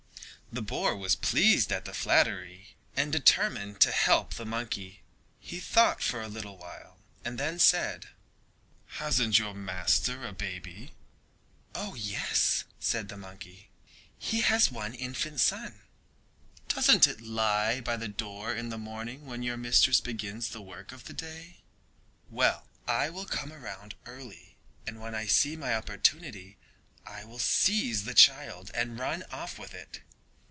The boar was pleased at the flattery and determined to help the monkey. He thought for a little while and then said: "Hasn't your master a baby?" "Oh, yes," said the monkey, "he has one infant son." "Doesn't it lie by the door in the morning when your mistress begins the work of the day? Well, I will come round early and when I see my opportunity I will seize the child and run off with it."